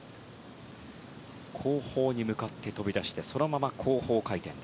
後方に向かって飛び出してそのまま後方回転。